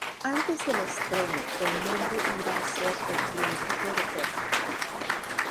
Antes del estreno, el nombre iba a ser "El Chiringuito de Pepe".